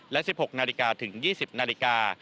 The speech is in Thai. และ๑๖นาฬิกาถึง๒๐นาฬิกา